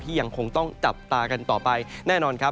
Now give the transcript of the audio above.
ยังคงต้องจับตากันต่อไปแน่นอนครับ